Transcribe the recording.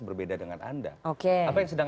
berbeda dengan anda oke apa yang sedang